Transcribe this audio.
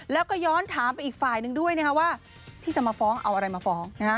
แล้วก็ย้อนถามไปอีกฝ่ายนึงด้วยว่าที่จะมาฟ้องเอาอะไรมาฟ้อง